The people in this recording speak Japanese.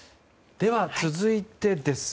では、続いてです。